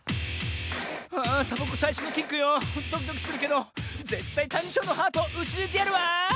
あサボ子さいしょのキックよドキドキするけどぜったいタニショーのハートをうちぬいてやるわ！